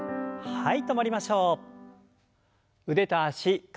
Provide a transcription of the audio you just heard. はい。